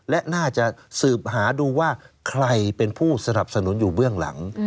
และน่าจะสืบหาดูว่าใครเป็นผู้สนับสนุนอยู่เบื้องหลัง